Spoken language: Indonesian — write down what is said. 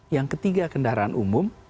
yang ketiga kendaraan umum